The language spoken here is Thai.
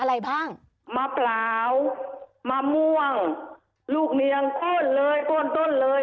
อะไรบ้างมะพร้าวมะม่วงลูกเนี้ยงโค่นเลยโค่นต้นเลย